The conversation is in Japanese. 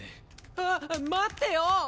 あっ待ってよ！